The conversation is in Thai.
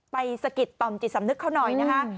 ไปสะกิดปร่ำจิตสำนึกเขาน่ะค่ะ